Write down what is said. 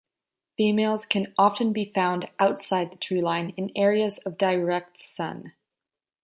Females can often be found outside the treeline, in areas of direct sun.